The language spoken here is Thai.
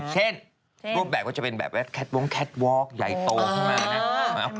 เช่นรูปแบบว่าจะเป็นแบบแคทวองแคทวอล์กยายโตขึ้นมานะฮะ